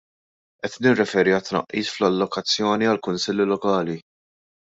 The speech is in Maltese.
Qed nirreferi għat-tnaqqis fl-allokazzjoni għall-kunsilli lokali.